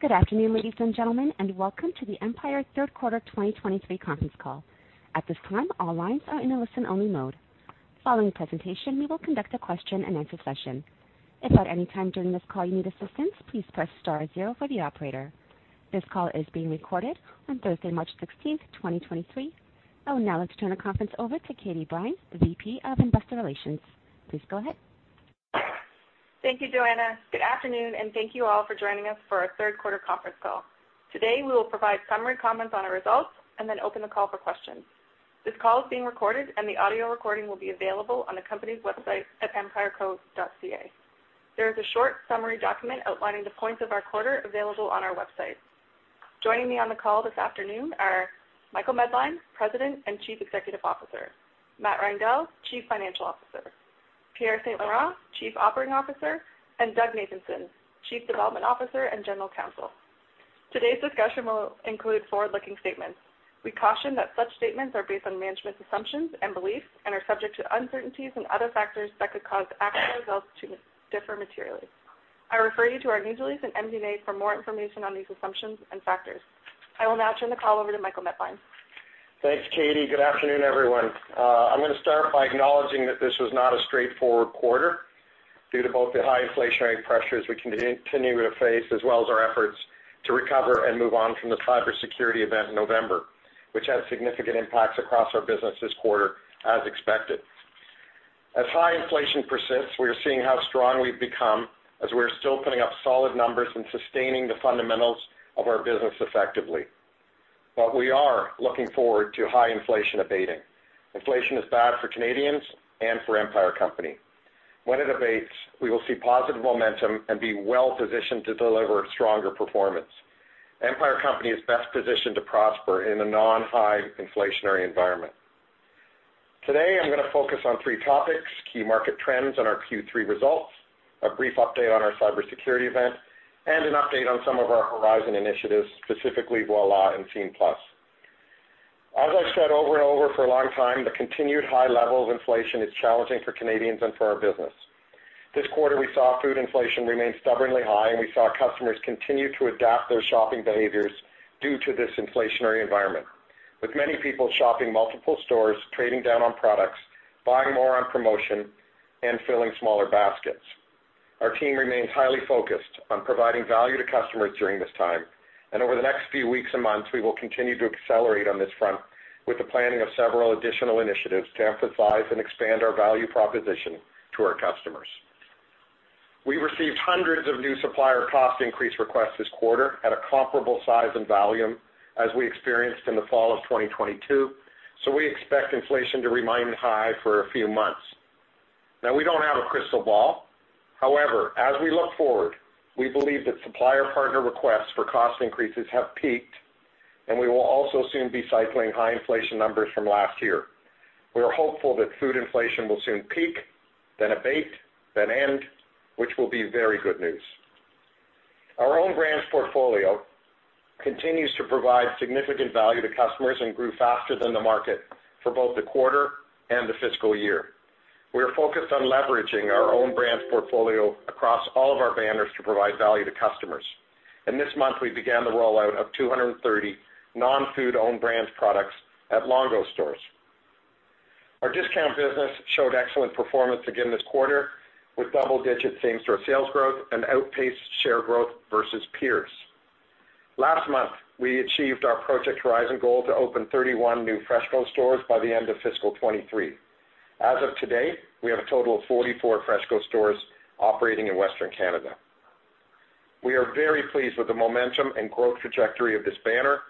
Good afternoon, ladies and gentlemen, and welcome to the Empire Third Quarter 2023 Conference Call. At this time, all lines are in a listen-only mode. Following the presentation, we will conduct a question-and-answer session. If at any time during this call you need assistance, please press star 0 for the operator. This call is being recorded on Thursday, March 16th, 2023. I will now turn the conference over to Katie Brine, the VP of Investor Relations. Please go ahead. Thank you, Joanna. Good afternoon, and thank you all for joining us for our Third Quarter Conference Call. Today, we will provide summary comments on our results then open the call for questions. This call is being recorded, the audio recording will be available on the company's website at empireco.ca. There is a short summary document outlining the points of our quarter available on our website. Joining me on the call this afternoon are Michael Medline, President and Chief Executive Officer, Matt Reindel, Chief Financial Officer, Pierre St-Laurent, Chief Operating Officer, and Doug Nathanson, Chief Development Officer and General Counsel. Today's discussion will include forward-looking statements. We caution that such statements are based on management's assumptions and beliefs and are subject to uncertainties and other factors that could cause actual results to differ materially. I refer you to our news release in MD&A for more information on these assumptions and factors. I will now turn the call over to Michael Medline. Thanks, Katie. Good afternoon, everyone. I'm gonna start by acknowledging that this was not a straightforward quarter due to both the high inflationary pressures we continue to face, as well as our efforts to recover and move on from the cybersecurity event in November, which had significant impacts across our business this quarter, as expected. As high inflation persists, we are seeing how strong we've become as we're still putting up solid numbers and sustaining the fundamentals of our business effectively. We are looking forward to high inflation abating. Inflation is bad for Canadians and for Empire Company. When it abates, we will see positive momentum and be well-positioned to deliver stronger performance. Empire Company is best positioned to prosper in a non-high inflationary environment. Today, I'm going to focus on three topics: key market trends and our Q3 results, a brief update on our cybersecurity event, and an update on some of our Horizon initiatives, specifically Voilà and Scene+. As I've said over and over for a long time, the continued high level of inflation is challenging for Canadians and for our business. This quarter, we saw food inflation remain stubbornly high, and we saw customers continue to adapt their shopping behaviors due to this inflationary environment. With many people shopping multiple stores, trading down on products, buying more on promotion, and filling smaller baskets. Our team remains highly focused on providing value to customers during this time, and over the next few weeks and months, we will continue to accelerate on this front with the planning of several additional initiatives to emphasize and expand our value proposition to our customers. We received hundreds of new supplier cost increase requests this quarter at a comparable size and volume as we experienced in the fall of 2022. We expect inflation to remain high for a few months. We don't have a crystal ball. As we look forward, we believe that supplier partner requests for cost increases have peaked, and we will also soon be cycling high inflation numbers from last year. We are hopeful that food inflation will soon peak, then abate, then end, which will be very good news. Our Own Brands portfolio continues to provide significant value to customers and grew faster than the market for both the quarter and the fiscal year. We are focused on leveraging our Own Brands portfolio across all of our banners to provide value to customers. This month, we began the rollout of 230 non-food Own Brands products at Longo's stores. Our discount business showed excellent performance again this quarter with double-digit same-store sales growth and outpaced share growth versus peers. Last month, we achieved our Project Horizon goal to open 31 new FreshCo stores by the end of fiscal 2023. As of today, we have a total of 44 FreshCo stores operating in Western Canada. We are very pleased with the momentum and growth trajectory of this banner.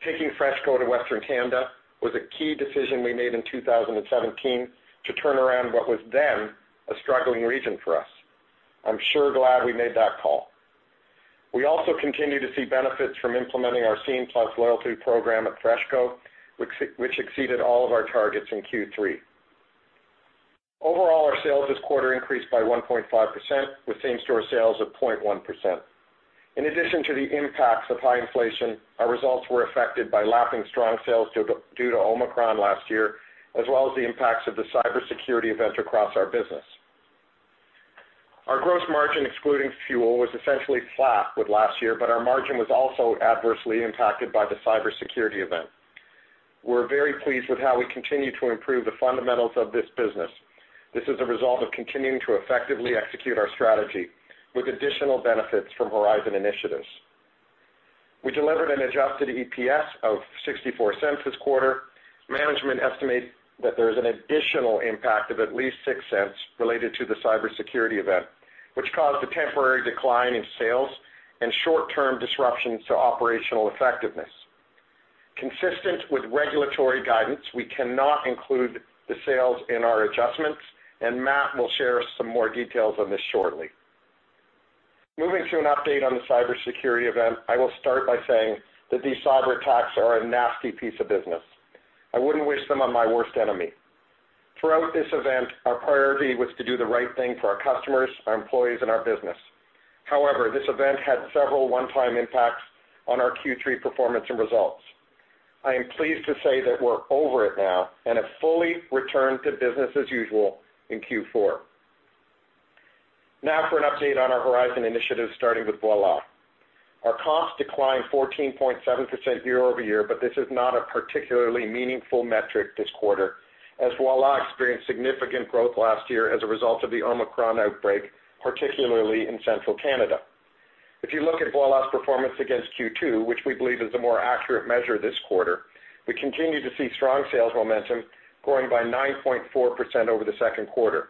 Picking FreshCo to Western Canada was a key decision we made in 2017 to turn around what was then a struggling region for us. I'm sure glad we made that call. We also continue to see benefits from implementing our Scene+ loyalty program at FreshCo, which exceeded all of our targets in Q3. Overall, our sales this quarter increased by 1.5% with same-store sales of 0.1%. In addition to the impacts of high inflation, our results were affected by lapping strong sales due to Omicron last year, as well as the impacts of the cybersecurity event across our business. Our gross margin excluding fuel was essentially flat with last year, our margin was also adversely impacted by the cybersecurity event. We're very pleased with how we continue to improve the fundamentals of this business. This is a result of continuing to effectively execute our strategy with additional benefits from Horizon initiatives. We delivered an adjusted EPS of 0.64 this quarter. Management estimates that there is an additional impact of at least 0.06 related to the cybersecurity event, which caused a temporary decline in sales and short-term disruptions to operational effectiveness. Consistent with regulatory guidance, we cannot include the sales in our adjustments, and Matt will share some more details on this shortly. Moving to an update on the cybersecurity event, I will start by saying that these cyberattacks are a nasty piece of business. I wouldn't wish them on my worst enemy. Throughout this event, our priority was to do the right thing for our customers, our employees, and our business. However, this event had several one-time impacts on our Q3 performance and results. I am pleased to say that we're over it now and have fully returned to business as usual in Q4. Now, for an update on our Horizon initiatives, starting with Voilà. Our costs declined 14.7% year-over-year, but this is not a particularly meaningful metric this quarter, as Voilà experienced significant growth last year as a result of the Omicron outbreak, particularly in Central Canada. If you look at Voilà's performance against Q2, which we believe is a more accurate measure this quarter, we continue to see strong sales momentum growing by 9.4% over the Q2.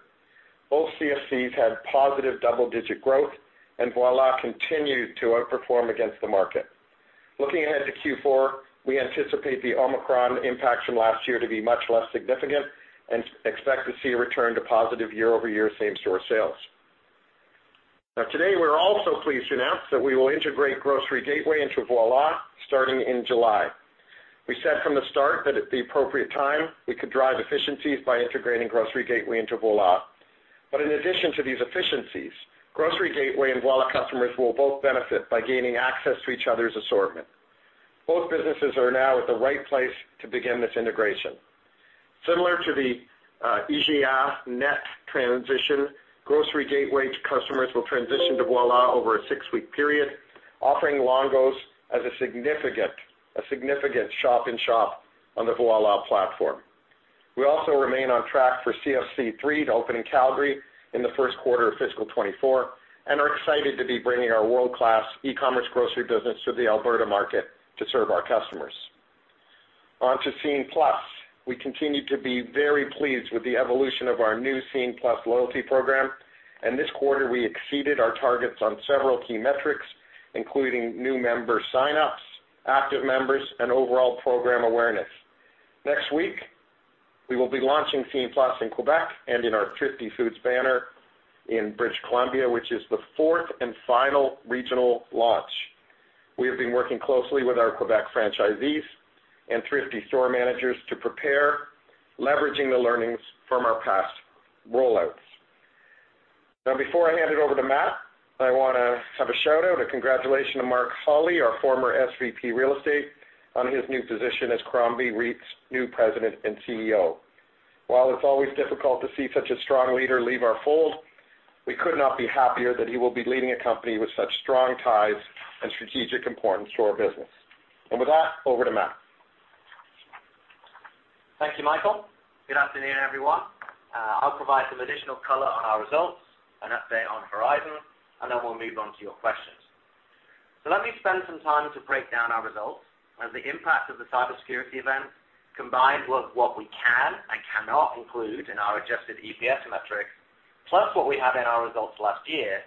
Both CFCs had positive double-digit growth, and Voilà continued to outperform against the market. Looking ahead to Q4, we anticipate the Omicron impacts from last year to be much less significant and expect to see a return to positive year-over-year same-store sales. Today, we're also pleased to announce that we will integrate Grocery Gateway into Voilà starting in July. We said from the start that at the appropriate time, we could drive efficiencies by integrating Grocery Gateway into Voilà. In addition to these efficiencies, Grocery Gateway and Voilà customers will both benefit by gaining access to each other's assortment. Both businesses are now at the right place to begin this integration. Similar to the IGA.net transition, Grocery Gateway customers will transition to Voilà over a six-week period, offering Longo's as a significant shop in shop on the Voilà platform. We also remain on track for CFC three to open in Calgary in the Q1 of fiscal 2024 and are excited to be bringing our world-class e-commerce grocery business to the Alberta market to serve our customers. On to Scene+. We continue to be very pleased with the evolution of our new Scene+ loyalty program, and this quarter we exceeded our targets on several key metrics, including new member sign-ups, active members, and overall program awareness. Next week, we will be launching Scene+ in Quebec and in our Thrifty Foods banner in British Columbia, which is the fourth and final regional launch. We have been working closely with our Quebec franchisees and Thrifty store managers to prepare, leveraging the learnings from our past rollouts. Before I hand it over to Matt, I wanna have a shout-out, a congratulations to Mark Holley, our former SVP Real Estate, on his new position as Crombie REIT's new President and CEO. While it's always difficult to see such a strong leader leave our fold, we could not be happier that he will be leading a company with such strong ties and strategic importance to our business. With that, over to Matt. Thank you, Michael. Good afternoon, everyone. I'll provide some additional color on our results, an update on Horizon, and then we'll move on to your questions. Let me spend some time to break down our results as the impact of the cybersecurity event combined with what we can and cannot include in our adjusted EPS metric, plus what we had in our results last year,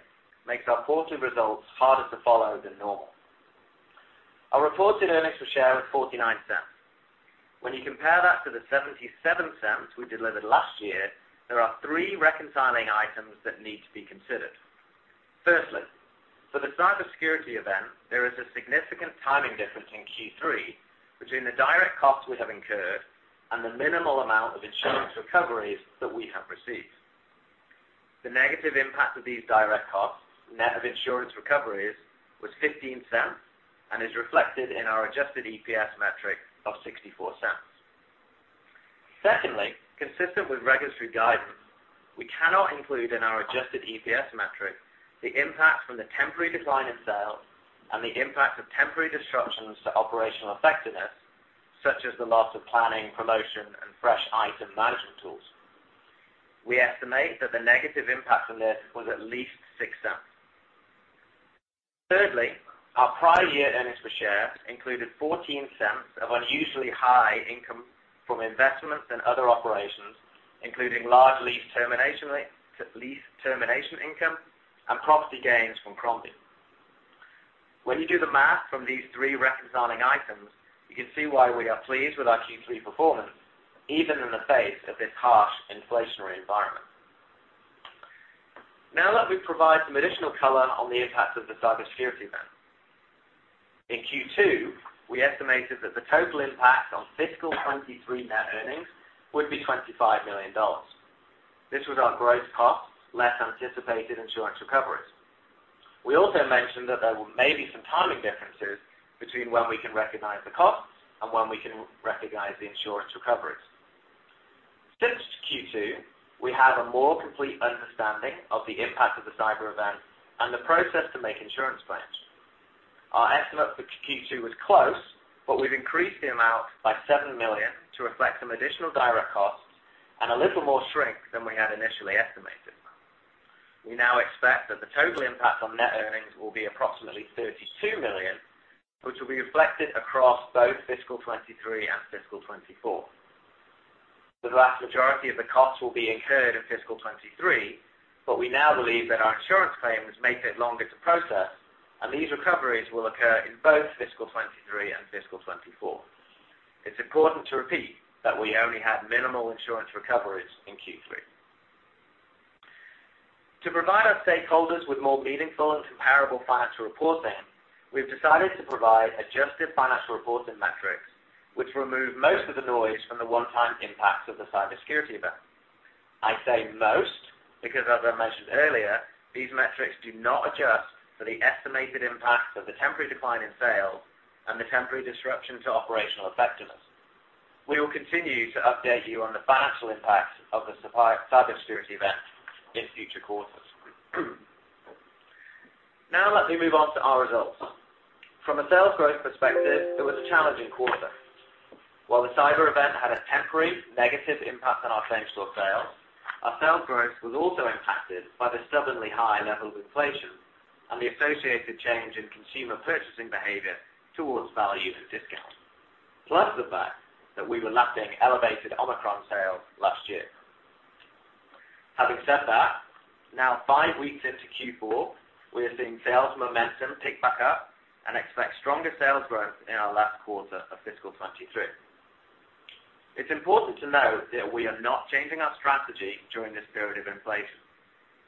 makes our fourth results harder to follow than normal. Our reported earnings per share was 0.49. When you compare that to the 0.77 we delivered last year, there are three reconciling items that need to be considered. Firstly, for the cybersecurity event, there is a significant timing difference in Q3 between the direct costs we have incurred and the minimal amount of insurance recoveries that we have received. The negative impact of these direct costs, net of insurance recoveries, was 0.15 and is reflected in our adjusted EPS metric of 0.64. Consistent with registry guidance, we cannot include in our adjusted EPS metric the impact from the temporary decline in sales and the impact of temporary disruptions to operational effectiveness, such as the loss of planning, promotion, and fresh item management tools. We estimate that the negative impact from this was at least 0.06. Our prior year earnings per share included 0.14 of unusually high income from investments and other operations, including large lease termination income and property gains from Crombie. You do the math from these three reconciling items, you can see why we are pleased with our Q3 performance, even in the face of this harsh inflationary environment. Let me provide some additional color on the impact of the cybersecurity event. In Q2, we estimated that the total impact on fiscal 2023 net earnings would be 25 million dollars. This was our gross costs, less anticipated insurance recoveries. We also mentioned that there may be some timing differences between when we can recognize the costs and when we can recognize the insurance recoveries. Since Q2, we have a more complete understanding of the impact of the cyber event and the process to make insurance claims. Our estimate for Q2 was close, we've increased the amount by 7 million to reflect some additional direct costs and a little more shrink than we had initially estimated. We now expect that the total impact on net earnings will be approximately 32 million, which will be reflected across both fiscal 2023 and fiscal 2024. The vast majority of the costs will be incurred in fiscal 2023. We now believe that our insurance claims may take longer to process. These recoveries will occur in both fiscal 2023 and fiscal 2024. It's important to repeat that we only had minimal insurance recoveries in Q3. To provide our stakeholders with more meaningful and comparable financial reporting, we've decided to provide adjusted financial reporting metrics, which remove most of the noise from the one-time impacts of the cybersecurity event. I say most because as I mentioned earlier, these metrics do not adjust for the estimated impact of the temporary decline in sales and the temporary disruption to operational effectiveness. We will continue to update you on the financial impact of the cybersecurity event in future quarters. Let me move on to our results. From a sales growth perspective, it was a challenging quarter. While the cyber event had a temporary negative impact on our same-store sales, our sales growth was also impacted by the stubbornly high levels of inflation and the associated change in consumer purchasing behavior towards value and discount, plus the fact that we were lapping elevated Omicron sales last year. Having said that, now 5 weeks into Q4, we are seeing sales momentum pick back up and expect stronger sales growth in our last quarter of fiscal 2023. It's important to note that we are not changing our strategy during this period of inflation.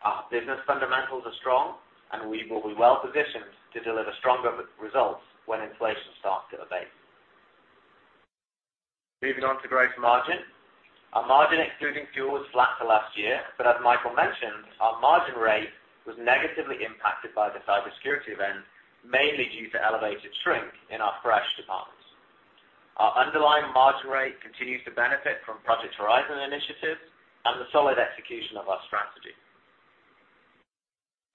Our business fundamentals are strong, and we will be well positioned to deliver stronger re-results when inflation starts to abate. Moving on to gross margin. Our margin excluding fuel was flat to last year. As Michael mentioned, our margin rate was negatively impacted by the cybersecurity event, mainly due to elevated shrink in our fresh departments. Our underlying margin rate continues to benefit from Project Horizon initiatives and the solid execution of our strategy.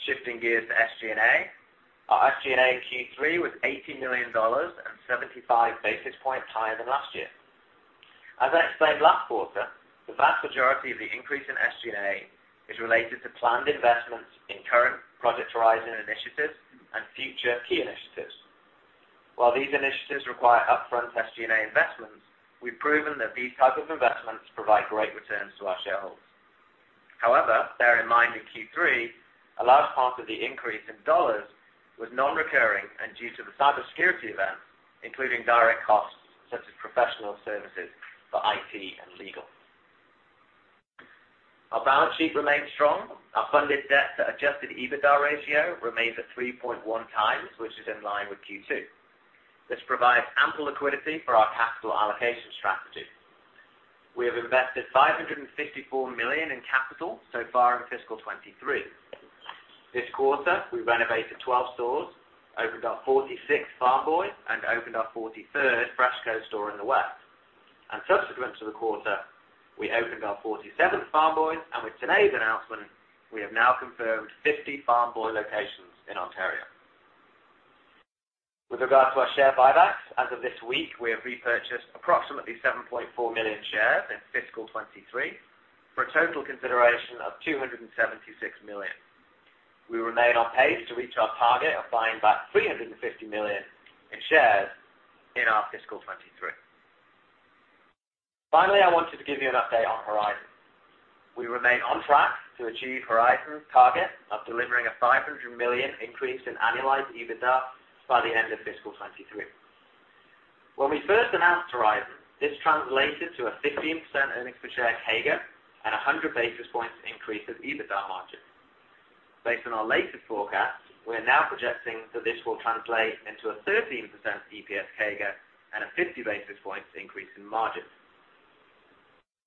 Shifting gears to SG&A. Our SG&A in Q3 was 80 million dollars and 75 basis points higher than last year. As I explained last quarter, the vast majority of the increase in SG&A is related to planned investments in current Project Horizon initiatives and future key initiatives. While these initiatives require upfront SG&A investments, we've proven that these types of investments provide great returns to our shareholders. Bear in mind in Q3, a large part of the increase in dollars was non-recurring and due to the cybersecurity event, including direct costs such as professional services for IT and legal. Our balance sheet remains strong. Our funded debt to adjusted EBITDA ratio remains at 3.1x, which is in line with Q2. This provides ample liquidity for our capital allocation strategy. We have invested 554 million in capital so far in fiscal 2023. This quarter, we renovated 12 stores, opened our 46th Farm Boy, and opened our 43rd FreshCo store in the West. Subsequent to the quarter, we opened our 47th Farm Boy, and with today's announcement, we have now confirmed 50 Farm Boy locations in Ontario. With regard to our share buybacks, as of this week, we have repurchased approximately 7.4 million shares in fiscal 2023 for a total consideration of 276 million. We remain on pace to reach our target of buying back 350 million in shares in our fiscal 2023. Finally, I wanted to give you an update on Horizon. We remain on track to achieve Horizon's target of delivering a 500 million increase in annualized EBITDA by the end of fiscal 2023. When we first announced Horizon, this translated to a 15% EPS CAGR and a 100 basis points increase in EBITDA margin. Based on our latest forecast, we're now projecting that this will translate into a 13% EPS CAGR and a 50 basis points increase in margin.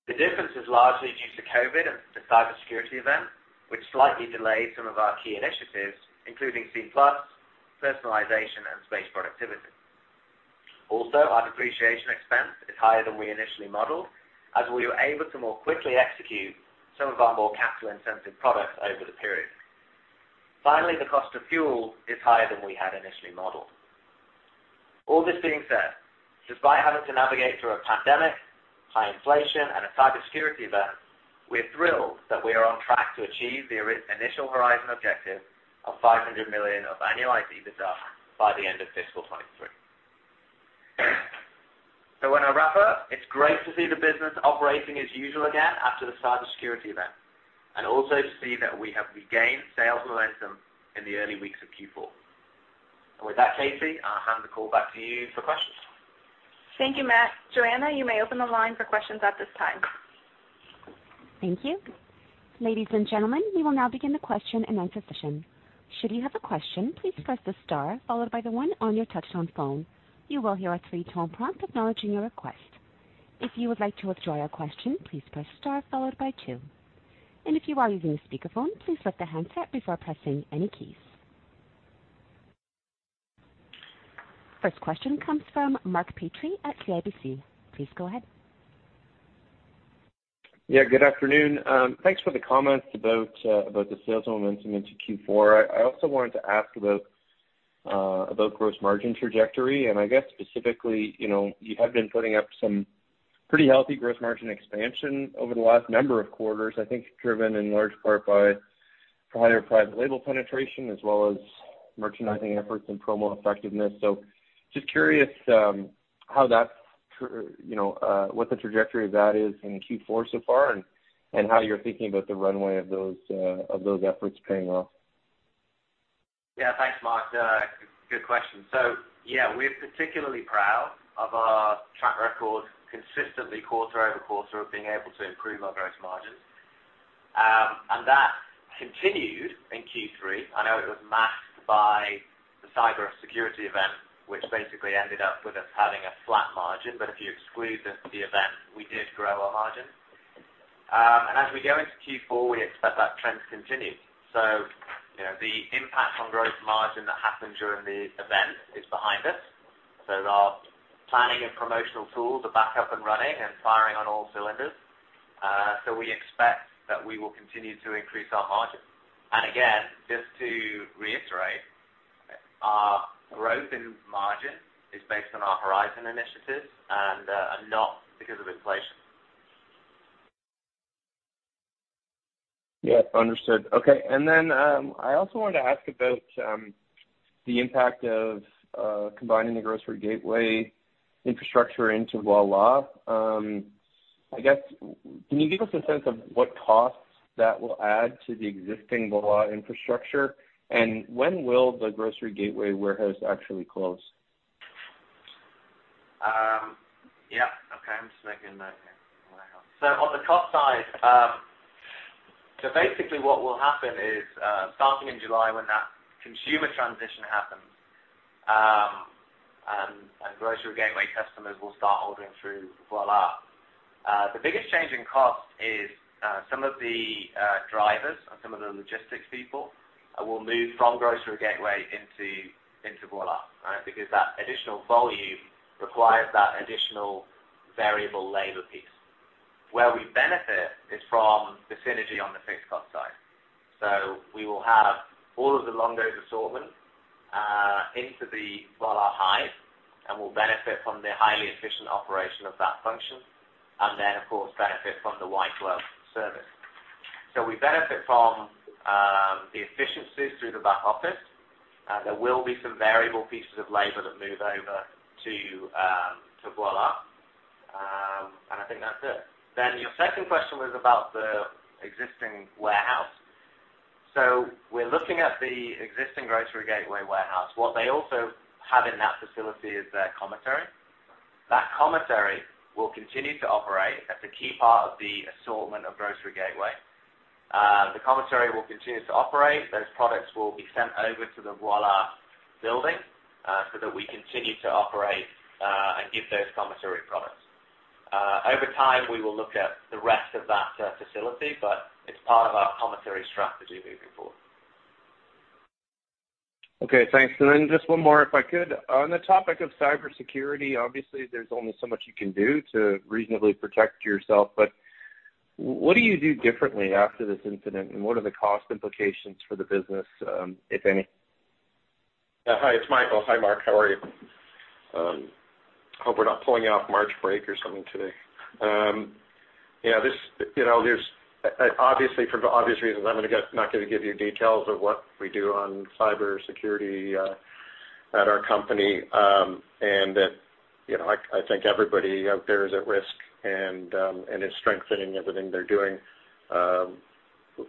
The difference is largely due to COVID and the cybersecurity event, which slightly delayed some of our key initiatives, including Scene+, personalization, and space productivity. Also, our depreciation expense is higher than we initially modeled as we were able to more quickly execute some of our more capital-intensive products over the period. Finally, the cost of fuel is higher than we had initially modeled. All this being said, despite having to navigate through a pandemic, high inflation, and a cybersecurity event, we're thrilled that we are on track to achieve the initial Horizon objective of 500 million of annualized EBITDA by the end of fiscal 2023. When I wrap up, it's great to see the business operating as usual again after the cybersecurity event and also to see that we have regained sales momentum in the early weeks of Q4. With that, Katie, I'll hand the call back to you for questions. Thank you, Matt. Joanna, you may open the line for questions at this time. Thank you. Ladies and gentlemen, we will now begin the Q&A session. Should you have a question, please press the star followed by one on your touch-tone phone. You will hear a three-tone prompt acknowledging your request. If you would like to withdraw your question, please press star followed by two. If you are using a speakerphone, please lift the handset before pressing any keys. First question comes from Mark Petrie at CIBC. Please go ahead. Yeah, good afternoon. Thanks for the comments about the sales momentum into Q4. I also wanted to ask about gross margin trajectory, I guess specifically, you know, you have been putting up some pretty healthy gross margin expansion over the last number of quarters, I think driven in large part by higher private label penetration as well as merchandising efforts and promo effectiveness. Just curious, you know, what the trajectory of that is in Q4 so far and how you're thinking about the runway of those of those efforts paying off? Yeah. Thanks, Mark. Good question. Yeah, we're particularly proud of our track record consistently quarter-over-quarter of being able to improve our gross margins. And that continued in Q3. I know it was masked by the cybersecurity event, which basically ended up with us having a flat margin, but if you exclude the event, we did grow our margin. As we go into Q4, we expect that trend to continue. You know, the impact on growth margin that happened during the event is behind us. Our planning and promotional tools are back up and running and firing on all cylinders. We expect that we will continue to increase our margin. Again, just to reiterate, our growth in margin is based on our Horizon initiatives and not because of inflation. Yeah, understood. Okay. I also wanted to ask about the impact of combining the Grocery Gateway infrastructure into Voilà. I guess, can you give us a sense of what costs that will add to the existing Voilà infrastructure? When will the Grocery Gateway warehouse actually close? Yeah. Okay. I'm just making a note here. On the cost side, basically what will happen is, starting in July, when that consumer transition happens, Grocery Gateway customers will start ordering through Voilà. The biggest change in cost is, some of the drivers and some of the logistics people, will move from Grocery Gateway into Voilà, right? Because that additional volume requires that additional variable labor piece. Where we benefit is from the synergy on the fixed cost side. We will have all of the Longo's assortment, into the Voilà hive, we'll benefit from the highly efficient operation of that function, of course, benefit from the white glove service. We benefit from the efficiencies through the back office. There will be some variable pieces of labor that move over to Voilà. I think that's it. Your second question was about the existing warehouse. We're looking at the existing Grocery Gateway warehouse. What they also have in that facility is their commissary. That commissary will continue to operate. That's a key part of the assortment of Grocery Gateway. The commissary will continue to operate. Those products will be sent over to the Voilà building, so that we continue to operate and give those commissary products. Over time, we will look at the rest of that facility, but it's part of our commissary strategy moving forward. Okay, thanks. just one more, if I could. On the topic of cybersecurity, obviously, there's only so much you can do to reasonably protect yourself, but what do you do differently after this incident, and what are the cost implications for the business, if any? Hi, it's Michael. Hi, Mark. How are you? Hope we're not pulling off March break or something today. Yeah, this, you know, obviously, for obvious reasons, I'm not gonna, not gonna give you details of what we do on cybersecurity at our company. That, you know, I think everybody out there is at risk and is strengthening everything they're doing.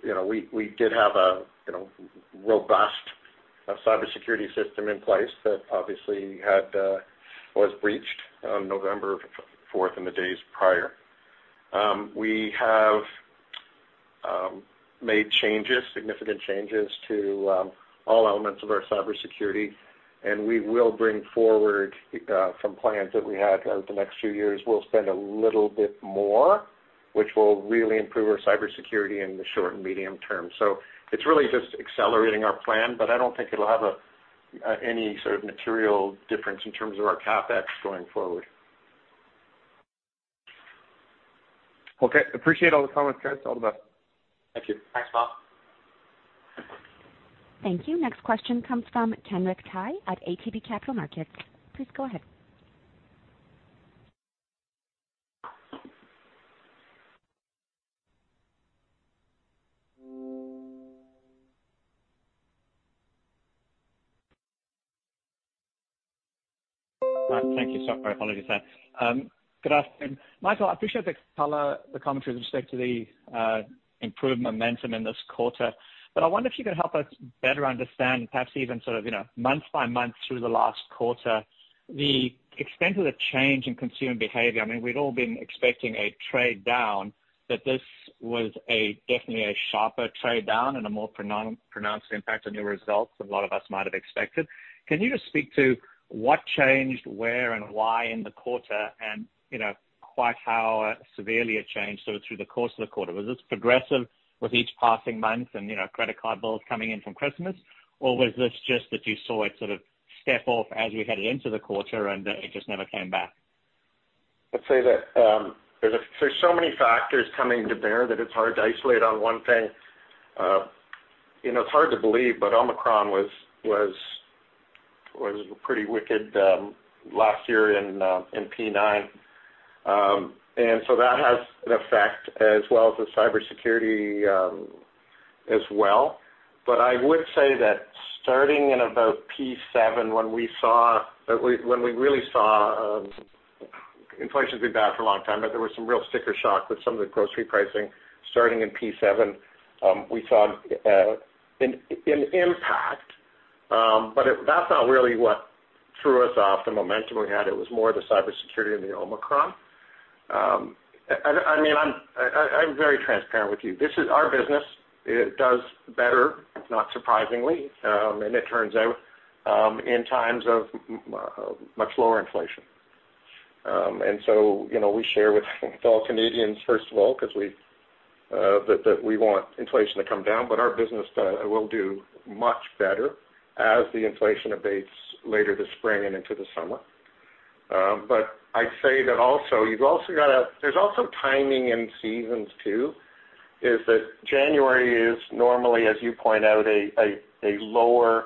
You know, we did have a, you know, robust cybersecurity system in place that obviously had was breached on November 4th in the days prior. We have made changes, significant changes to all elements of our cybersecurity, and we will bring forward some plans that we had over the next few years. We'll spend a little bit more, which will really improve our cybersecurity in the short and medium term. It's really just accelerating our plan, but I don't think it'll have any sort of material difference in terms of our CapEx going forward. Okay. Appreciate all the comments, guys. All the best. Thank you. Thanks, Mark. Thank you. Next question comes from Kenric Tyghe at ATB Capital Markets. Please go ahead. Thank you. My apologies there. Good afternoon. Michael, I appreciate the color, the commentary with respect to the improved momentum in this quarter. I wonder if you can help us better understand, perhaps even sort of, you know, month by month through the last quarter, the extent of the change in consumer behavior. I mean, we'd all been expecting a trade down, that this was definitely a sharper trade down and a more pronounced impact on your results than a lot of us might have expected. Can you just speak to what changed, where and why in the quarter? You know, quite how severely it changed, sort of through the course of the quarter. Was this progressive with each passing month and, you know, credit card bills coming in from Christmas? Was this just that you saw it sort of step off as we headed into the quarter and it just never came back? Let's say that there's so many factors coming to bear that it's hard to isolate on 1 thing. You know, it's hard to believe, but Omicron was pretty wicked last year in P9. That has an effect as well as the cybersecurity as well. I would say that starting in about P7, when we really saw, inflation's been bad for a long time, but there was some real sticker shock with some of the grocery pricing starting in P7, we saw an impact. That's not really what threw us off the momentum we had. It was more the cybersecurity and the Omicron. I mean, I'm very transparent with you. This is our business. It does better, not surprisingly, it turns out in times of much lower inflation. You know, we share with all Canadians, first of all, because we that we want inflation to come down, but our business will do much better as the inflation abates later this spring and into the summer. I'd say that also, you've also there's also timing in seasons too, is that January is normally, as you point out, a lower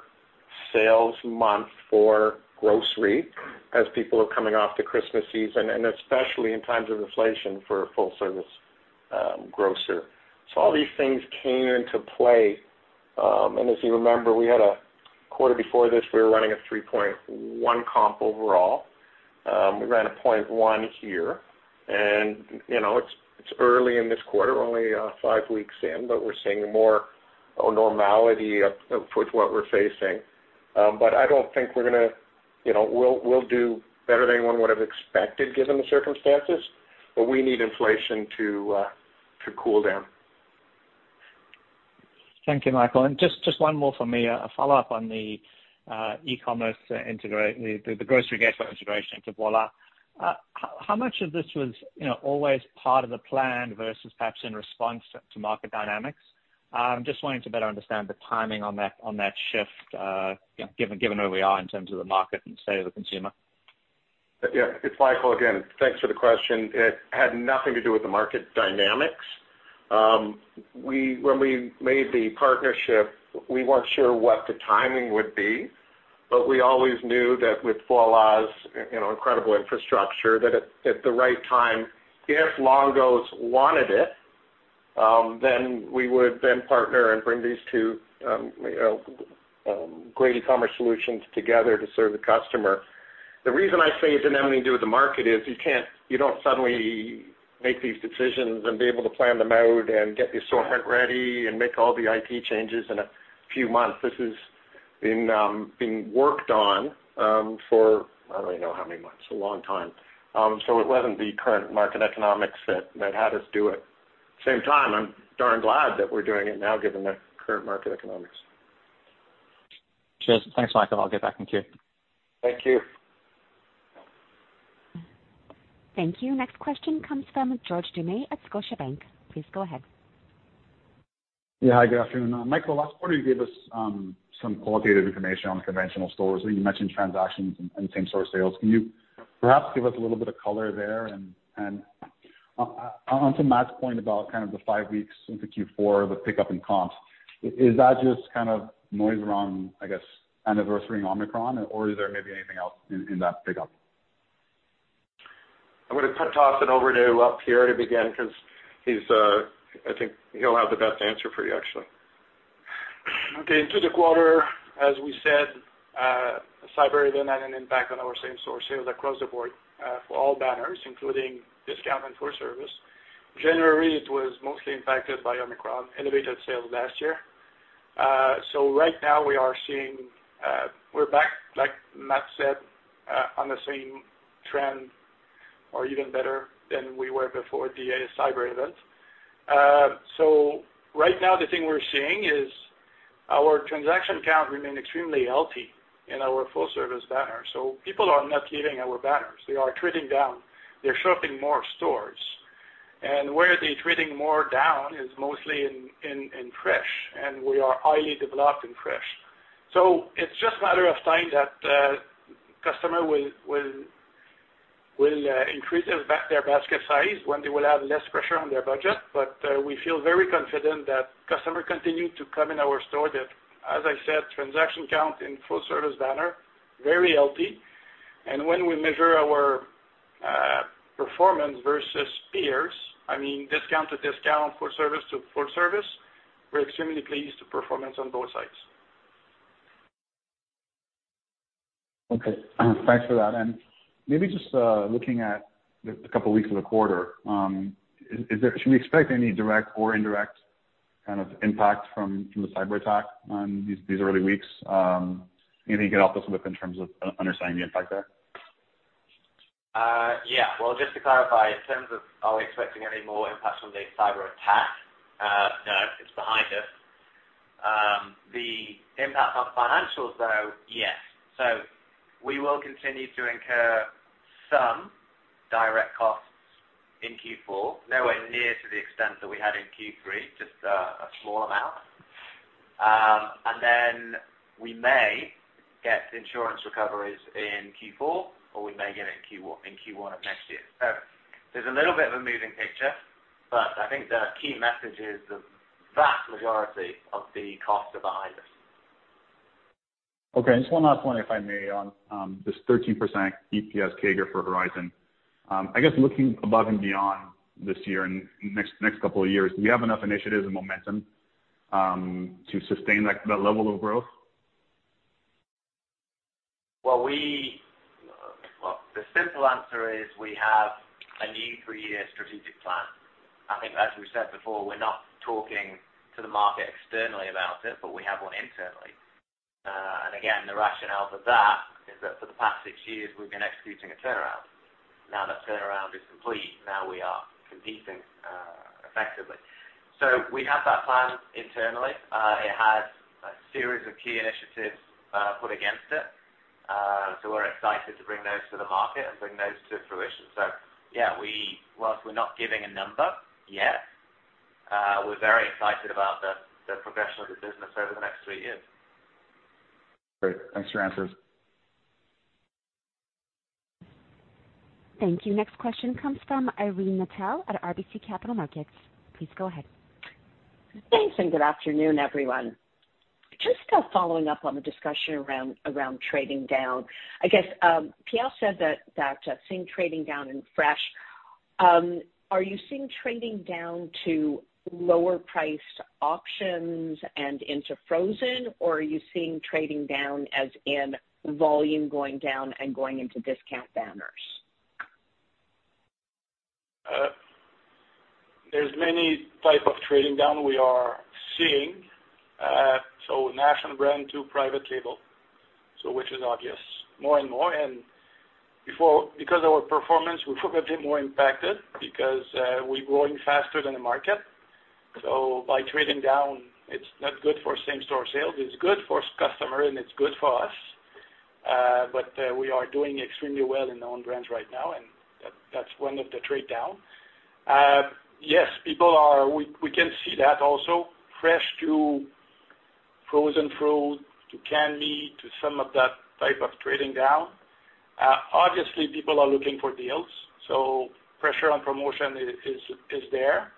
sales month for grocery as people are coming off the Christmas season, and especially in times of inflation for a full service grocer. All these things came into play, as you remember, we had a quarter before this, we were running a 3.1 comp overall. We ran a 0.1 here. You know, it's early in this quarter, we're only five weeks in, but we're seeing more normality of with what we're facing. I don't think we're. We'll do better than anyone would have expected given the circumstances. We need inflation to cool down. Thank you, Michael. Just one more for me, a follow-up on the e-commerce the Grocery Gateway integration into Voilà. How much of this was, you know, always part of the plan versus perhaps in response to market dynamics? Just wanting to better understand the timing on that shift, you know, given where we are in terms of the market and state of the consumer. Yeah. It's Michael again. Thanks for the question. It had nothing to do with the market dynamics. When we made the partnership, we weren't sure what the timing would be, but we always knew that with Voilà's, you know, incredible infrastructure, that at the right time, if Longo's wanted it, then we would then partner and bring these two great e-commerce solutions together to serve the customer. The reason I say it's nothing to do with the market is you don't suddenly make these decisions and be able to plan them out and get the assortment ready and make all the IT changes in a few months. This has been being worked on for I don't even know how many months, a long time. It wasn't the current market economics that had us do it. Same time, I'm darn glad that we're doing it now given the current market economics. Cheers. Thanks, Michael. I'll get back in queue. Thank you. Thank you. Next question comes from George Doumet at Scotiabank. Please go ahead. Yeah, good afternoon. Michael, last quarter you gave us some qualitative information on conventional stores, and you mentioned transactions and same store sales. Can you perhaps give us a little bit of color there? On to Matt's point about kind of the five weeks into Q4, the pickup in comps, is that just kind of noise around, I guess, anniversary Omicron or is there maybe anything else in that pickup? I'm gonna toss it over to Pierre to begin because he's, I think he'll have the best answer for you, actually. Into the quarter, as we said, cyber event had an impact on our same store sales across the board, for all banners, including discount and full service. January, it was mostly impacted by Omicron, elevated sales last year. Right now we are seeing, we're back, like Matt said, on the same trend or even better than we were before the cyber event. Right now the thing we're seeing is our transaction count remain extremely healthy in our full service banners. People are not leaving our banners. They are trading down. They're shopping more stores. Where they're trading more down is mostly in, in fresh, and we are highly developed in fresh. It's just a matter of time that customer will increase their basket size when they will have less pressure on their budget. We feel very confident that customer continue to come in our store that, as I said, transaction count in full service banner, very healthy. When we measure our performance versus peers, I mean, discount to discount, full service to full service, we're extremely pleased with performance on both sides. Okay. Thanks for that. Maybe just looking at the couple weeks of the quarter, should we expect any direct or indirect kind of impact from the cyber attack on these early weeks? Anything you can help us with in terms of understanding the impact there? Yeah. Well, just to clarify, in terms of are we expecting any more impacts from the cyberattack? No, it's behind us. The impact on financials, though, yes. We will continue to incur some direct costs in Q4, nowhere near to the extent that we had in Q3, just a small amount. We may get insurance recoveries in Q4 or we may get it in Q1, in Q1 of next year. There's a little bit of a moving picture, but I think the key message is the vast majority of the costs are behind us. Okay. Just one last one, if I may, on, this 13% EPS CAGR for Horizon. I guess looking above and beyond this year and next couple of years, do you have enough initiatives and momentum to sustain that level of growth? Well, the simple answer is we have a new three-year strategic plan. I think as we've said before, we're not talking to the market externally about it, but we have one internally. Again, the rationale for that is that for the past six years, we've been executing a turnaround. Now that turnaround is complete, now we are competing effectively. We have that plan internally. It has a series of key initiatives put against it. We're excited to bring those to the market and bring those to fruition. Yeah, whilst we're not giving a number yet, we're very excited about the progression of the business over the next three years. Great. Thanks for your answers. Thank you. Next question comes from Irene Nattel at RBC Capital Markets. Please go ahead. Thanks. Good afternoon, everyone. Just following up on the discussion around trading down, I guess, Pierre said that seeing trading down in fresh, are you seeing trading down to lower priced options and into frozen, or are you seeing trading down as in volume going down and going into discount banners? There's many type of trading down we are seeing. National brand to private label, so which is obvious more and more. Before, because our performance, we forgot it more impacted because we're growing faster than the market. By trading down, it's not good for same store sales. It's good for customer, and it's good for us. But we are doing extremely well in Own Brands right now, and that's one of the trade down. Yes, people are- we can see that also, fresh to frozen food, to canned meat, to some of that type of trading down. Obviously, people are looking for deals, so pressure on promotion is there.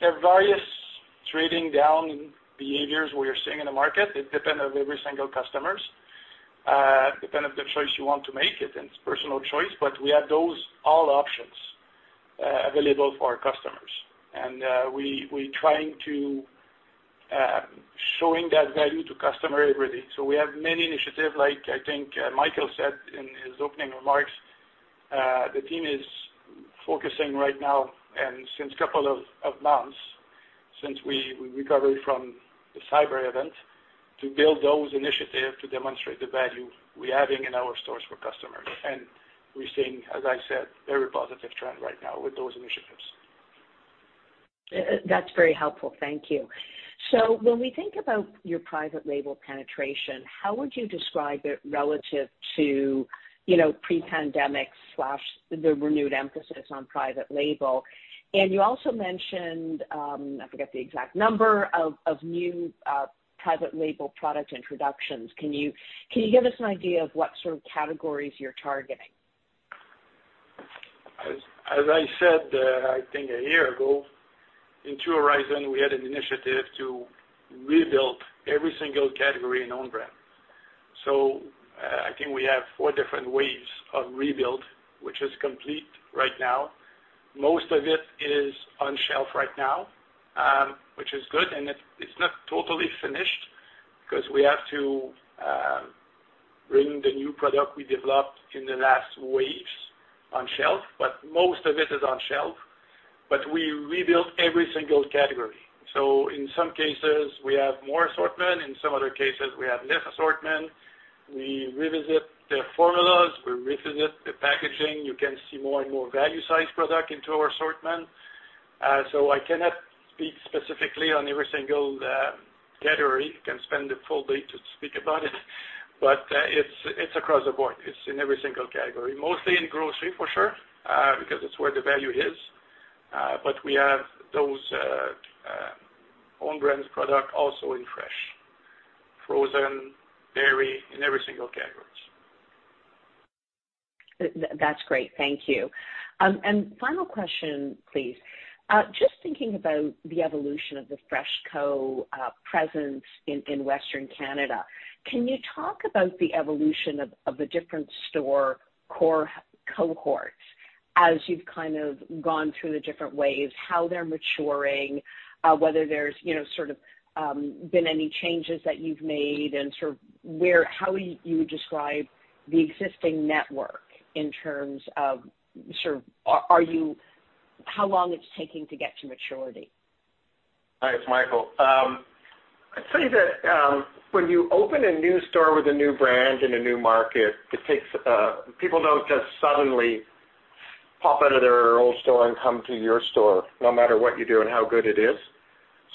There are various trading down behaviors we are seeing in the market. It depends on every single customers, depend of the choice you want to make it, and it's personal choice. We have those all options available for our customers. We, we trying to showing that value to customer every day. We have many initiative, like, I think, Michael said in his opening remarks, the team is focusing right now and since couple of months, since we recovered from the cyber event, to build those initiative to demonstrate the value we're having in our stores for customers. We're seeing, as I said, very positive trend right now with those initiatives. That's very helpful. Thank you. When we think about your private label penetration, how would you describe it relative to, you know, pre-pandemic/the renewed emphasis on private label? You also mentioned, I forget the exact number of new private label product introductions. Can you give us an idea of what sort of categories you're targeting? As I said, I think a year ago, in True Horizon, we had an initiative to rebuild every single category in Own Brands. I think we have four different waves of rebuild, which is complete right now. Most of it is on shelf right now, which is good, and it's not totally finished because we have to bring the new product we developed in the last waves on shelf, but most of it is on shelf. We rebuilt every single category. In some cases, we have more assortment, in some other cases, we have less assortment. We revisit the formulas, we revisit the packaging. You can see more and more value-sized product into our assortment. I cannot speak specifically on every single category. You can spend a full day to speak about it, but it's across the board. It's in every single category, mostly in grocery, for sure, because it's where the value is. We have those Own Brands product also in fresh, frozen, dairy, in every single categories. That's great. Thank you. Final question, please. Just thinking about the evolution of the FreshCo presence in Western Canada, can you talk about the evolution of the different store core cohorts as you've kind of gone through the different waves, how they're maturing, whether there's, you know, sort of, been any changes that you've made and sort of how you would describe the existing network in terms of sort of are you? How long it's taking to get to maturity? Hi, it's Michael. I'd say that when you open a new store with a new brand in a new market, People don't just suddenly pop out of their old store and come to your store no matter what you do and how good it is.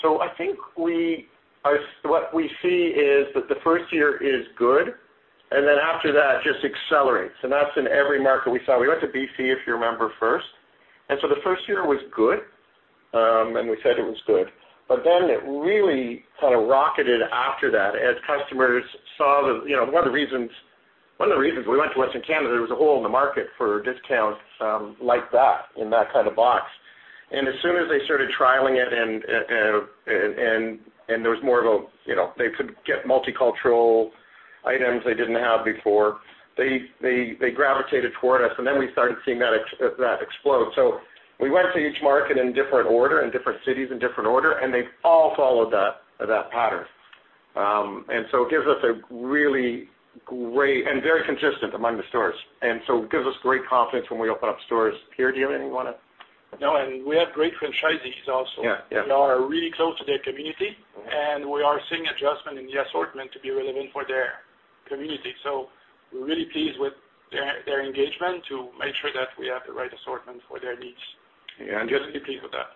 I think what we see is that the first year is good, and then after that, it just accelerates. That's in every market we saw. We went to BC, if you remember, first. The first year was good, and we said it was good. It really kind of rocketed after that as customers saw the, you know. One of the reasons we went to Western Canada, there was a hole in the market for discounts, like that, in that kind of box. As soon as they started trialing it and there was more of a, you know, they could get multicultural items they didn't have before, they gravitated toward us, and then we started seeing that explode. We went to each market in different order, in different cities in different order, and they've all followed that pattern. It gives us a really great and very consistent among the stores. It gives us great confidence when we open up stores here. Do you have anything you wanna? No, we have great franchisees also. Yeah, yeah. They are really close to their community, and we are seeing adjustment in the assortment to be relevant for their community. We're really pleased with their engagement to make sure that we have the right assortment for their needs. Yeah. Just be pleased with that.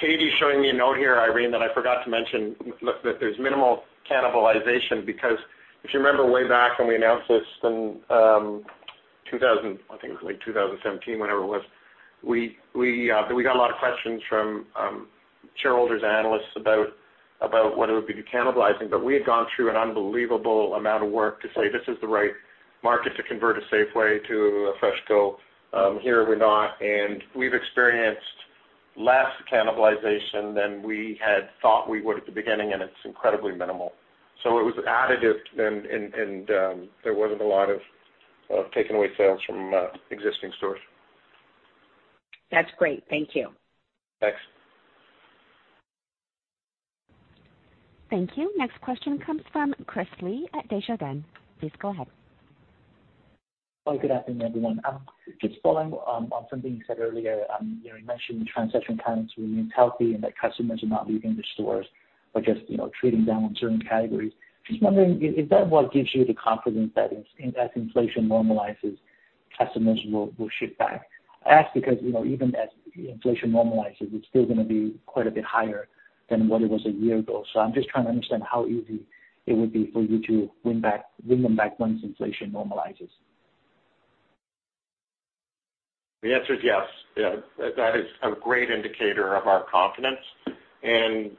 Katie's showing me a note here, Irene, that I forgot to mention, look that there's minimal cannibalization because if you remember way back when we announced this in 2017, whenever it was, we got a lot of questions from shareholders, analysts about whether it would be cannibalizing. We had gone through an unbelievable amount of work to say, this is the right market to convert a Safeway to a FreshCo. Here we're not, and we've experienced less cannibalization than we had thought we would at the beginning, and it's incredibly minimal. It was additive and there wasn't a lot of taking away sales from existing stores. That's great. Thank you. Thanks. Thank you. Next question comes from Chris Li at Desjardins. Please go ahead. Good afternoon, everyone. Just following on something you said earlier, you know, you mentioned transaction counts remains healthy and that customers are not leaving the stores but just, you know, trading down on certain categories. Just wondering if that what gives you the confidence that as inflation normalizes, customers will shift back. I ask because, you know, even as inflation normalizes, it's still gonna be quite a bit higher than what it was a year ago. I'm just trying to understand how easy it would be for you to win them back once inflation normalizes. The answer is yes. That is a great indicator of our confidence and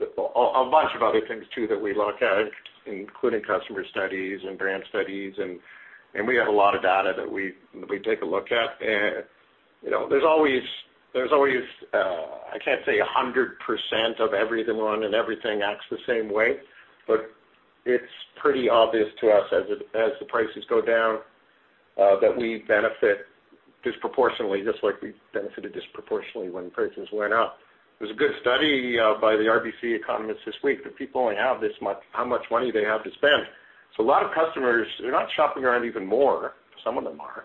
a bunch of other things too that we look at, including customer studies and brand studies and we have a lot of data that we take a look at. You know, there's always, I can't say 100% of everything run and everything acts the same way, but it's pretty obvious to us as the prices go down that we benefit disproportionately, just like we benefited disproportionately when prices went up. There was a good study by the RBC economists this week that people only have this much how much money they have to spend. A lot of customers, they're not shopping around even more. Some of them are.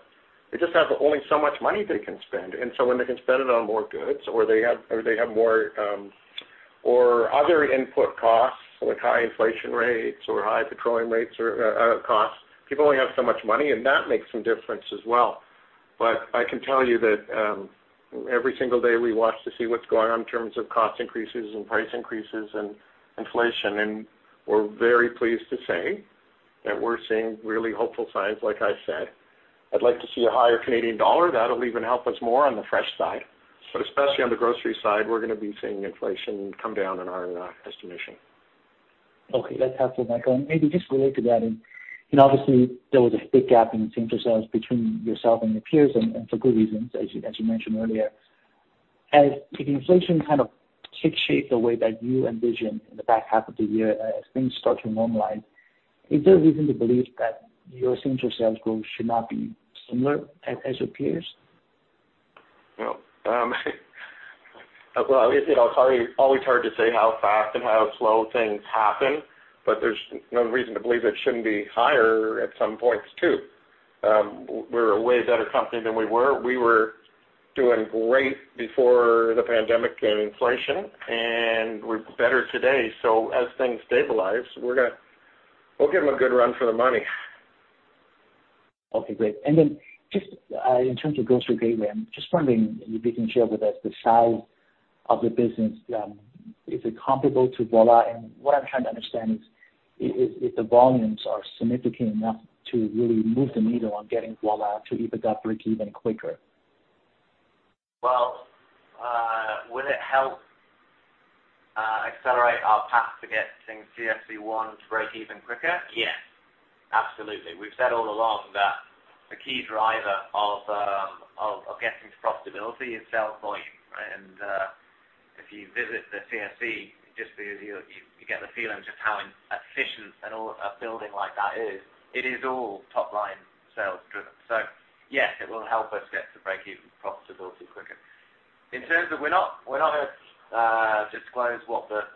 They just have only so much money they can spend. When they can spend it on more goods or they have more, or other input costs, like high inflation rates or high petroleum rates or costs, people only have so much money, and that makes some difference as well. I can tell you that every single day we watch to see what's going on in terms of cost increases and price increases and inflation, and we're very pleased to say that we're seeing really hopeful signs, like I said. I'd like to see a higher Canadian dollar. That'll even help us more on the fresh side. Especially on the grocery side, we're gonna be seeing inflation come down in our estimation. Okay. That's helpful, Michael. Maybe just related to that and obviously there was a big gap in same-store sales between yourself and your peers and for good reasons, as you mentioned earlier. If inflation kind of takes shape the way that you envision in the back half of the year, as things start to normalize, is there a reason to believe that your same-store sales growth should not be similar as your peers? Well, you know, it's always hard to say how fast and how slow things happen. There's no reason to believe it shouldn't be higher at some points too. We're a way better company than we were. We were doing great before the pandemic and inflation, and we're better today. As things stabilize, we'll give them a good run for their money. Okay, great. In terms of Grocery Gateway, I'm just wondering if you can share with us the size of the business. Is it comparable to Voilà? What I'm trying to understand is if the volumes are significant enough to really move the needle on getting Voilà to even break even quicker. Will it help accelerate our path to getting CFC one to break even quicker? Yes, absolutely. We've said all along that the key driver of getting to profitability is sales volume, right? If you visit the CFC, you get the feeling of just how efficient and all a building like that is. It is all top-line sales driven. Yes, it will help us get to break-even profitability quicker. In terms of we're not gonna disclose what the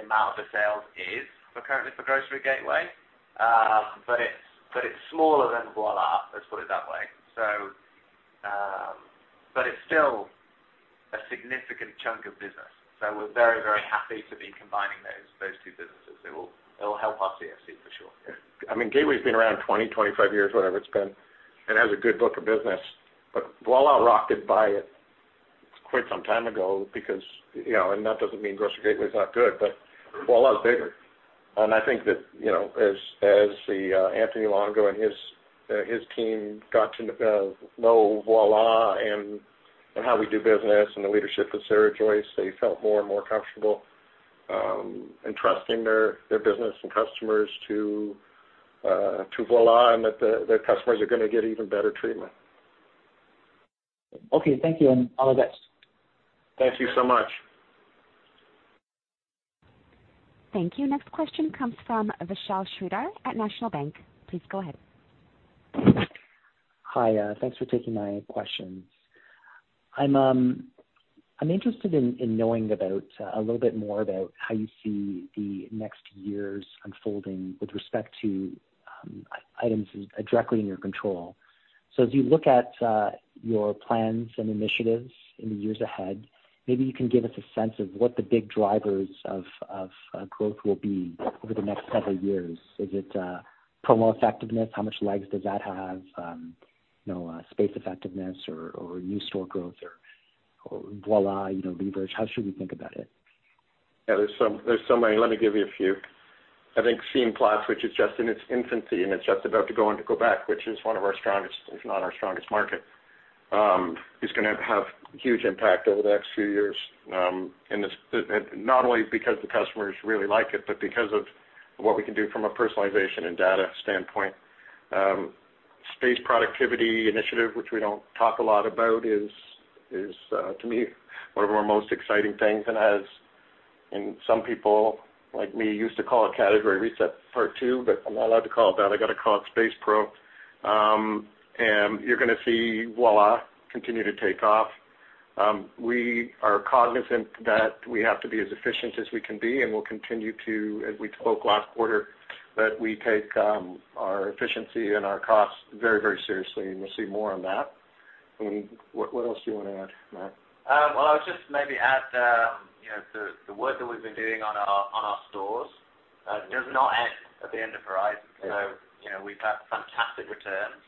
amount of the sales is for currently for Grocery Gateway. But it's smaller than Voilà, let's put it that way. But it's still a significant chunk of business. We're very happy to be combining those two businesses. It'll help our CFC for sure. I mean, Gateway's been around 20-25 years, whatever it's been, and has a good book of business. Voilà rocked it by it quite some time ago because, you know, and that doesn't mean Grocery Gateway is not good, but Voilà is bigger. I think that, you know, as the Anthony Longo and his team got to know Voilà and how we do business and the leadership with Sarah Joyce, they felt more and more comfortable in trusting their business and customers to Voilà, and that the customers are gonna get even better treatment. Okay, thank you, and all the best. Thank you so much. Thank you. Next question comes from Vishal Shreedhar at National Bank. Please go ahead. Hi, thanks for taking my questions. I'm- I'm interested in knowing about a little bit more about how you see the next years unfolding with respect to items directly in your control. As you look at your plans and initiatives in the years ahead, maybe you can give us a sense of what the big drivers of growth will be over the next several years. Is it promo effectiveness? How much legs does that have? you know, space effectiveness or new store growth or Voilà, you know, leverage. How should we think about it? Yeah, there's some, there's so many. Let me give you a few. I think Scene+, which is just in its infancy and it's just about to go into Quebec, which is one of our strongest, if not our strongest market, is gonna have huge impact over the next few years. It's not only because the customers really like it, but because of what we can do from a personalization and data standpoint. Space productivity initiative, which we don't talk a lot about, is to me, one of our most exciting things and has- some people like me used to call it category reset part two, but I'm not allowed to call it that. I gotta call it Space Pro. You're gonna see Voilà continue to take off. We are cognizant that we have to be as efficient as we can be, and we'll continue to, as we spoke last quarter, that we take our efficiency and our costs very, very seriously, and you'll see more on that. I mean, what else do you wanna add, Matt? Well, I would just maybe add, you know, the work that we've been doing on our stores does not end at the end of Horizon. You know, we've had fantastic returns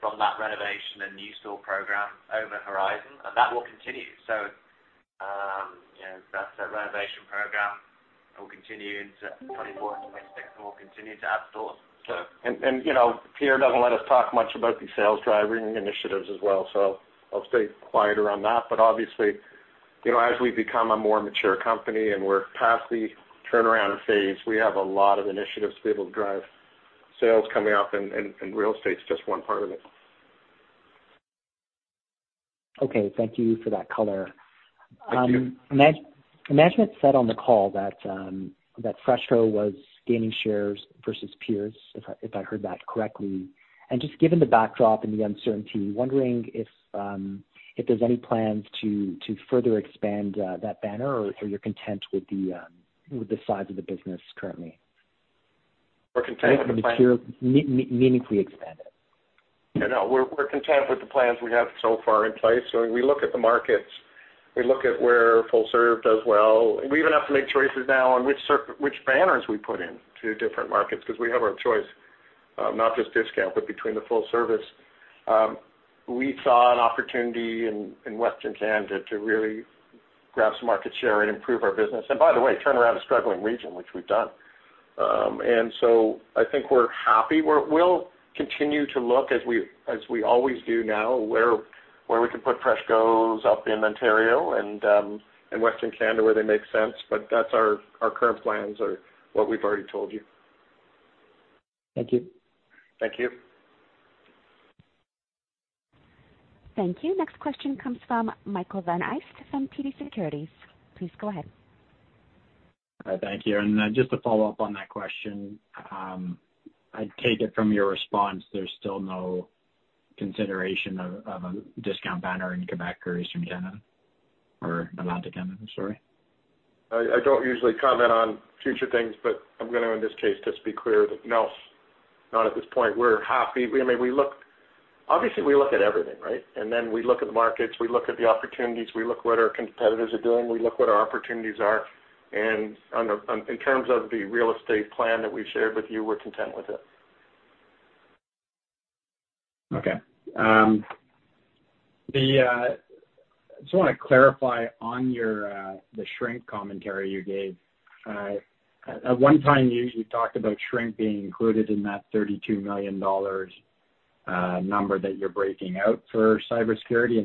from that renovation and new store program over Horizon, and that will continue. You know, that renovation program will continue into 2024 into 2026, and we'll continue to add stores. You know, Pierre doesn't let us talk much about the sales driving initiatives as well, so I'll stay quieter on that. Obviously, you know, as we become a more mature company and we're past the turnaround phase, we have a lot of initiatives to be able to drive sales coming up and real estate's just one part of it. Okay. Thank you for that color. Thank you. Man-management said on the call that FreshCo was gaining shares versus peers, if I heard that correctly. Just given the backdrop and the uncertainty, wondering if there's any plans to further expand that banner or if you're content with the size of the business currently. We're content with the plan... Meaningfully expand it. No, no, we're content with the plans we have so far in place. We look at the markets, we look at where full serve does well. We even have to make choices now on which banners we put in to different markets because we have our choice, not just discount, but between the full service. We saw an opportunity in Western Canada to really grab some market share and improve our business. By the way, turn around a struggling region, which we've done. I think we're happy. We'll continue to look as we always do now, where we can put FreshCos up in Ontario and in Western Canada, where they make sense. That's our current plans are what we've already told you. Thank you. Thank you. Thank you. Next question comes from Michael Van Aelst from TD Securities. Please go ahead. Thank you. Just to follow up on that question, I take it from your response there's still no consideration of a discount banner in Quebec or Eastern Canada or Atlantic Canada, sorry. I don't usually comment on future things, but I'm gonna, in this case, just be clear that no, not at this point. We're happy. I mean, we look. Obviously, we look at everything, right? Then we look at the markets, we look at the opportunities, we look what our competitors are doing, we look what our opportunities are. In terms of the real estate plan that we've shared with you, we're content with it. Just wanna clarify on your the shrink commentary you gave. At one time, you talked about shrink being included in that 32 million dollars number that you're breaking out for cybersecurity.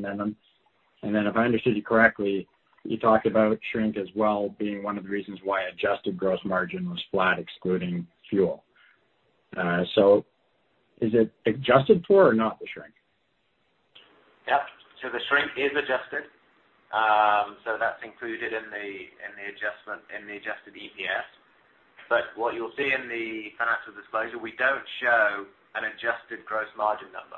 If I understood you correctly, you talked about shrink as well being one of the reasons why adjusted gross margin was flat excluding fuel. Is it adjusted for or not the shrink? Yep. The shrink is adjusted. That's included in the adjustment, in the adjusted EPS. What you'll see in the financial disclosure, we don't show an adjusted gross margin number.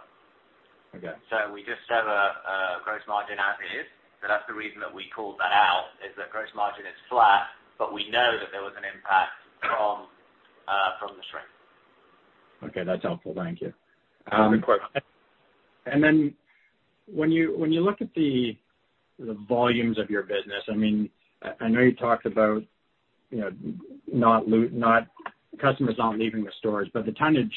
Okay. We just have a gross margin as is. That's the reason that we called that out, is that gross margin is flat, but we know that there was an impact from from the shrink. Okay, that's helpful. Thank you. When you, when you look at the volumes of your business, I mean, I know you talked about, you know, not customers not leaving the stores, but the tonnage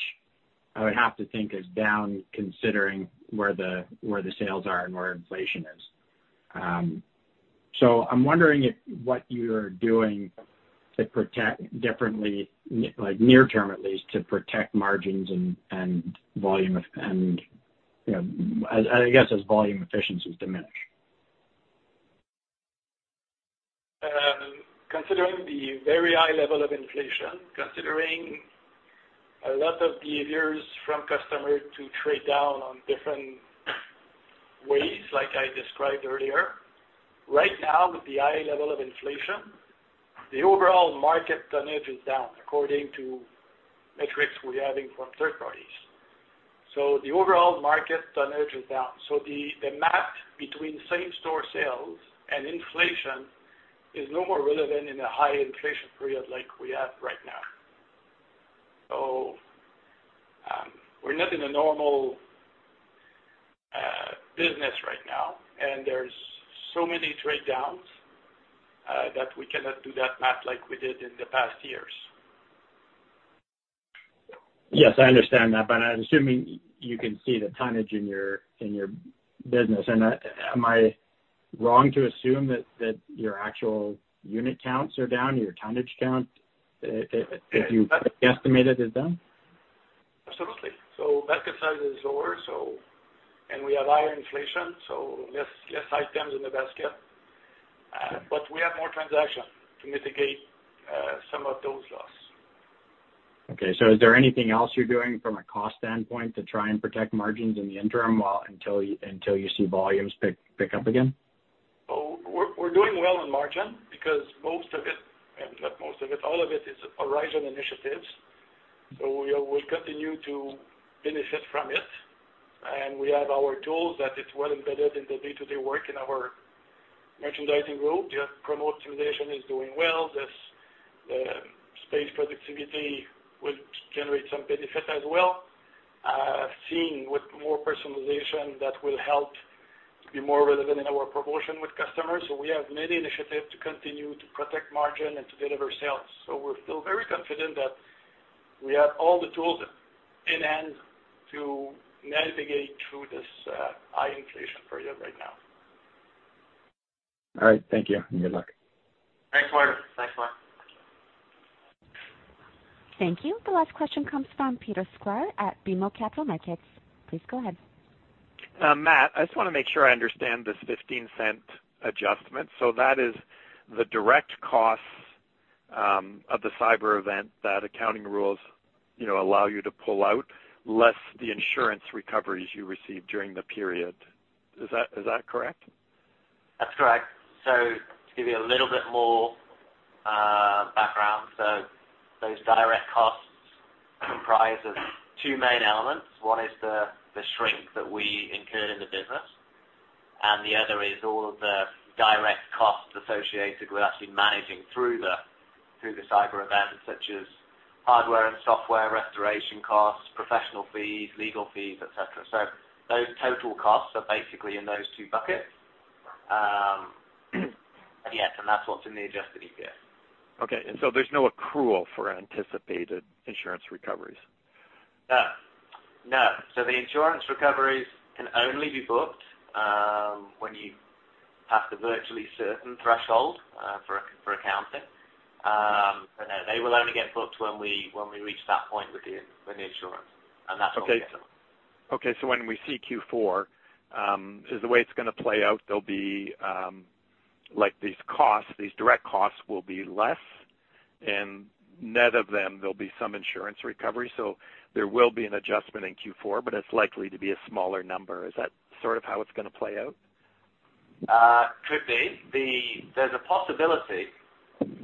I would have to think is down considering where the sales are and where inflation is. I'm wondering if what you're doing to protect differently, like near term at least, to protect margins and volume and, you know, I guess as volume efficiencies diminish? Considering the very high level of inflation, considering a lot of behaviors from customers to trade down on different ways, like I described earlier, right now with the high level of inflation, the overall market tonnage is down according to metrics we're having from third parties. The overall market tonnage is down. The math between same-store sales and inflation is no more relevant in a high inflation period like we have right now. We're not in a normal business right now, and there's so many trade downs that we cannot do that math like we did in the past years. Yes, I understand that, but I'm assuming you can see the tonnage in your business. Am I wrong to assume that your actual unit counts are down, your tonnage count, if you estimated, is down? Absolutely. Basket size is lower. We have higher inflation, so less items in the basket. We have more transactions to mitigate some of those loss. Okay, is there anything else you're doing from a cost standpoint to try and protect margins in the interim while until you see volumes pick up again? We're doing well in margin because most of it, not most of it, all of it is Horizon initiatives. We will continue to benefit from it. We have our tools that it's well embedded in the day-to-day work in our merchandising role. We have promo optimization is doing well. There's space productivity will generate some benefit as well. Seeing with more personalization that will help to be more relevant in our promotion with customers. We have many initiatives to continue to protect margin and to deliver sales. We're still very confident that we have all the tools in hand to navigate through this high inflation period right now. All right. Thank you. Good luck. Thanks, Mike. Thank you. The last question comes from Peter Sklar at BMO Capital Markets. Please go ahead. Matt, I just wanna make sure I understand this 0.15 adjustment. That is the direct costs of the cyber event that accounting rules, you know, allow you to pull out, less the insurance recoveries you received during the period. Is that correct? That's correct. To give you a little bit more background, those direct costs comprise of two main elements. One is the shrink that we incurred in the business, and the other is all of the direct costs associated with actually managing through the cyber event, such as hardware and software restoration costs, professional fees, legal fees, et cetera. Those total costs are basically in those two buckets. Yes, and that's what's in the adjusted EPS. Okay, there's no accrual for anticipated insurance recoveries? No. No. The insurance recoveries can only be booked when you pass the virtually certain threshold for accounting. No, they will only get booked when we, when we reach that point with the insurance, and that's all. Okay, when we see Q4, is the way it's gonna play out, there'll be like these costs, these direct costs will be less and net of them, there'll be some insurance recovery. There will be an adjustment in Q4, but it's likely to be a smaller number. Is that sort of how it's gonna play out? Could be. There's a possibility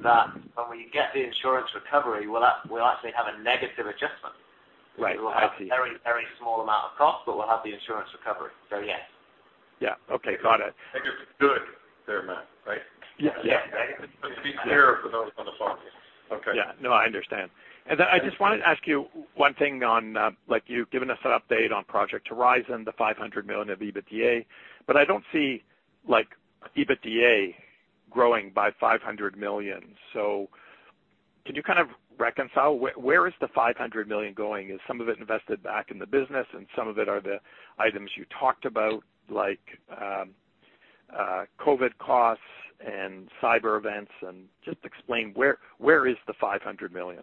that when we get the insurance recovery, we'll actually have a negative adjustment. Right. I see. We will have a very, very small amount of cost, but we'll have the insurance recovery. Yes. Yeah, okay. Got it. That is good there, Matt, right? Yeah. To be clearer for those on the phone. Okay. Yeah. No, I understand. I just wanted to ask you one thing on, like you've given us an update on Project Horizon, the 500 million of EBITDA, I don't see like EBITDA growing by 500 million. Can you kind of reconcile where is the 500 million going? Is some of it invested back in the business and some of it are the items you talked about like, COVID costs and cyber events and just explain where is the 500 million?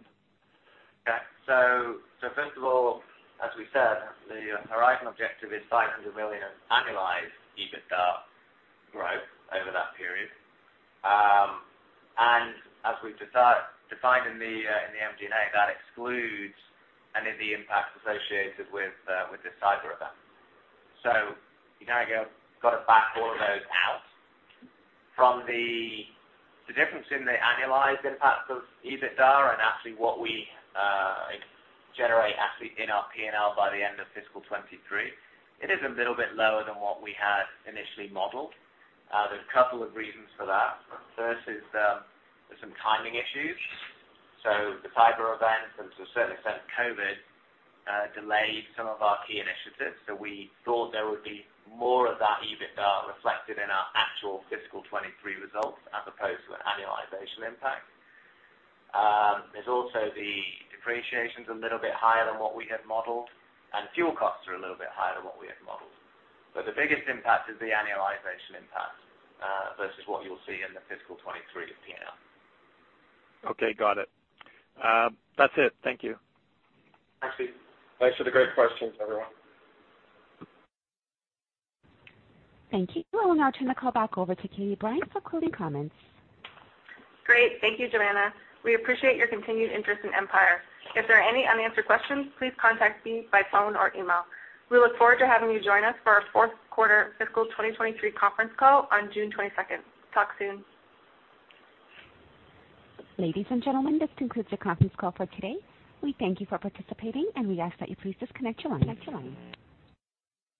First of all, as we said, the Horizon objective is 500 million annualized EBITDA growth over that period. As we've defined in the MD&A, that excludes any of the impacts associated with the cyber event. You kinda gotta back all of those out from the difference in the annualized impact of EBITDA and actually what we generate actually in our P&L by the end of fiscal 2023, it is a little bit lower than what we had initially modeled. There's a couple of reasons for that. First is, there's some timing issues. The cyber event and to a certain extent COVID delayed some of our key initiatives. We thought there would be more of that EBITDA reflected in our actual fiscal 2023 results as opposed to an annualization impact. There's also the depreciation's a little bit higher than what we had modeled. Fuel costs are a little bit higher than what we had modeled. The biggest impact is the annualization impact versus what you'll see in the fiscal 2023 P&L. Okay, got it. That's it. Thank you. Thank you. Thanks for the great questions, everyone. Thank you. I will now turn the call back over to Katie Brine for closing comments. Great. Thank you, Joanna. We appreciate your continued interest in Empire. If there are any unanswered questions, please contact me by phone or email. We look forward to having you join us for our Q4 Fiscal 2023 Conference Call on June 22nd. Talk soon. Ladies and gentlemen, this concludes your conference call for today. We thank you for participating, and we ask that you please disconnect your line.